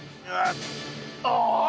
ああ！